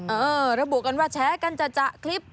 เออระบุกันว่าแชร์กันจะคลิป